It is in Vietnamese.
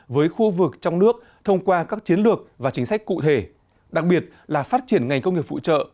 với khu vực trong nước thông qua các chiến lược và chính sách cụ thể đặc biệt là phát triển ngành công nghiệp phụ trợ